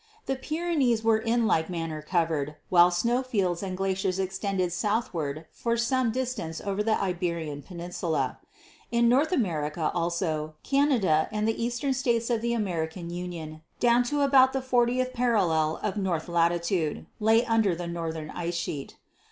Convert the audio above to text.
The Pyrenees were in like manner covered, while snow fields and glaciers extended southward for some distance over the Iberian peninsula. In North America also, Canada and the Eastern States of the American Union, down to about the 40th parallel of north latitude, lay under the northern ice sheet.